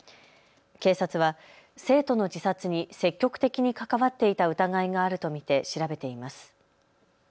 警察は生徒の自殺に積極的に関わっていた疑いがあると見て調べています。